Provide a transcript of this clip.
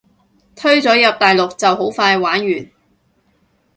推咗入大陸就好快玩完